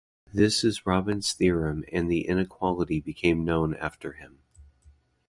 This is Robin's theorem and the inequality became known after him.